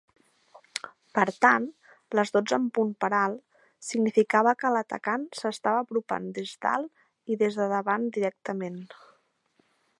Per tant, "les dotze en punt per alt" significava que l"atacant s"estava apropant des d"alt i des de davant directament.